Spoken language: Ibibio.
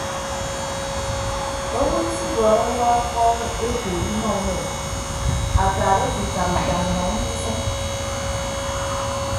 Owo isibọọhọ ewa okpọ eku inọ unen ataat ete ikap itañ inọ unie isịn.